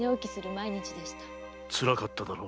つらかっただろう。